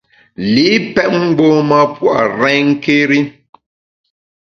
Li’ pèt mgbom-a pua’ renké́ri.